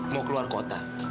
mau keluar kota